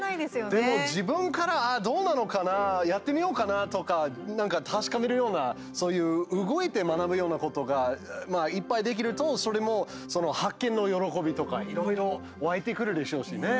でも自分からどうなのかな、やってみようかなとか、なんか確かめるようなそういう動いて学ぶようなことがいっぱいできるとそれも発見の喜びとかいろいろ湧いてくるでしょうしね。